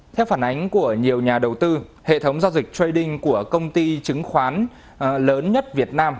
theo phản ánh của nhiều nhà đầu tư hệ thống giao dịch traiding của công ty chứng khoán lớn nhất việt nam